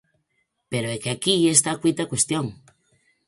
Pero é que aquí está o quid da cuestión.